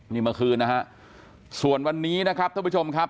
นี่เมื่อคืนนะฮะส่วนวันนี้นะครับท่านผู้ชมครับ